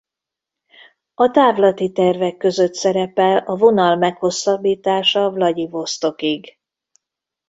A távlati tervek között szerepel a vonal meghosszabbítása Vlagyivosztokig.